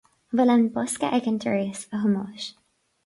An bhfuil an bosca ag an doras, a Thomáis